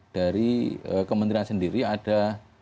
dari kementerian sendiri ada